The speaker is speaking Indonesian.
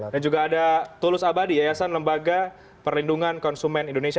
dan juga ada tulus abadi yayasan lembaga perlindungan konsumen indonesia